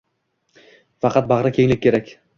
Faqat bag’rikenglik kerak